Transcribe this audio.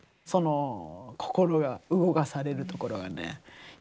その心が動かされるところがね。